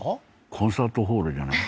コンサートホールじゃない？